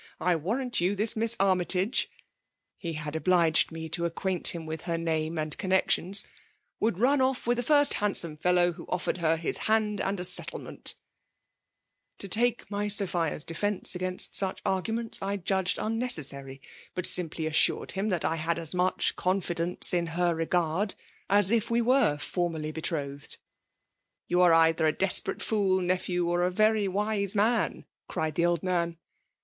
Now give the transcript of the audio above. — I warrant you this Uiss Army tago (he had obliged me to acquaint him with her n&mc and connexions) ' would run off with the first handsome fellow who offered her hk hand and a settlement/ To talce my Sophia's defence against such arguments, I judged* unnecessary; but simply assured him that I had as much confidence in her regard, as if we were formally betrothed. ' You are either a desperate fool, nephew, or a very "wise man,* cried the old man.